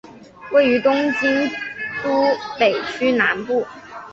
位于东京都北区南部。